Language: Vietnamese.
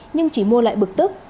nhưng chỉ mua lại bực tức